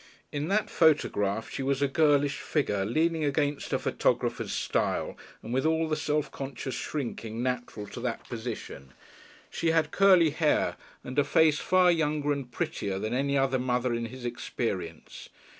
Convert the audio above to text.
In that photograph she was a girlish figure, leaning against a photographer's stile, and with all the self conscious shrinking natural to that position. She had curly hair and a face far younger and prettier than any other mother in his experience.